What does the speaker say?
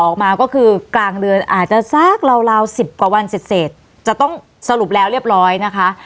ออกมาก็คือกลางเดือนอาจจะสักราวราวสิบกว่าวันเสร็จจะต้องสรุปแล้วเรียบร้อยนะคะ